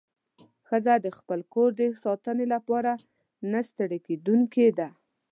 ښځه د خپل کور د ساتنې لپاره نه ستړې کېدونکې ده.